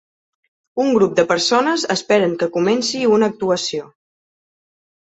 Un grup de persones esperen que comenci una actuació.